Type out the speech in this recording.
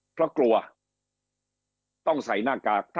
เพราะกลัวต้องใส่หน้ากาก